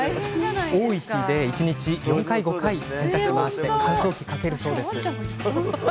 多い日で一日４、５回洗濯機を回して乾燥機をかけるそう。